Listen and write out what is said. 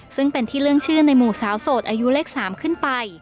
ซึ่งเป็นที่เรื่องชื่อในหมู่สาวโสดอายุเลข๓ขึ้นไป